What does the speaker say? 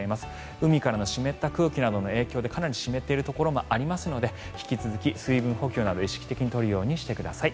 海からの湿った空気などの影響でかなり湿っているところもありますので引き続き水分補給など意識的に取るようにしてください。